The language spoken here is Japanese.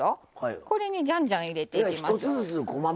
これにじゃんじゃん入れていきます。